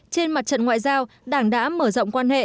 trên mặt trận ngoại giao đảng đã mở rộng quan hệ